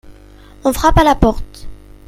On frappe à la porte.